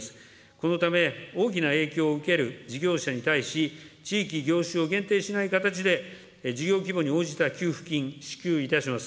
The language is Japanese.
このため大きな影響を受ける事業者に対し、地域、業種を限定しない形で、事業規模に応じた給付金、支給いたします。